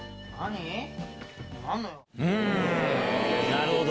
なるほど！